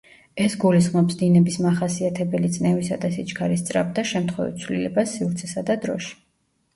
ეს გულისხმობს დინების მახასიათებელი წნევისა და სიჩქარის სწრაფ და შემთხვევით ცვლილებას სივრცესა და დროში.